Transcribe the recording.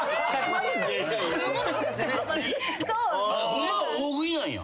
ホンマは大食いなんや。